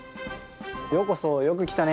ようこそよくきたね！